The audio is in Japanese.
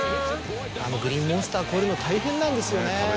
あのグリーンモンスター越えるの大変なんですよね。